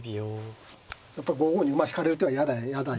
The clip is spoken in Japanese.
やっぱ５五に馬引かれる手は嫌だよと。